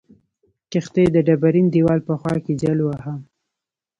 کښتۍ د ډبرین دیوال په خوا کې جل واهه.